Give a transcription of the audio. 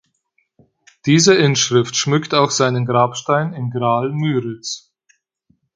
Diese Inschrift schmückt auch seinen Grabstein in Graal-Müritz.